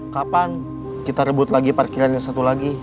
kapan kita rebut lagi parkirannya satu lagi